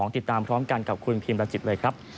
ติดตามพร้อมกันกับคุณพิมรจิตเลยครับ